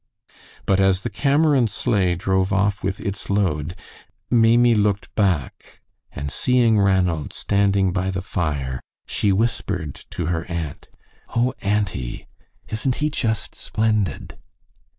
But as the Cameron sleigh drove off with its load, Maimie looked back, and seeing Ranald standing by the fire, she whispered to her aunt: "Oh, auntie! Isn't he just splendid?"